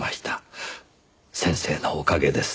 先生のおかげです。